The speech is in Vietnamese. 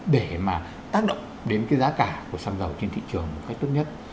để mà tác động đến cái giá cả của xăng dầu trên thị trường một cách tốt nhất